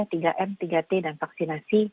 tiga m tiga t dan vaksinasi